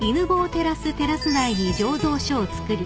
テラステラス内に醸造所を造り